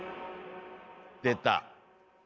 出た。